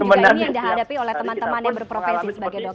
juga ini yang dihadapi oleh teman teman yang berprofesi sebagai dokter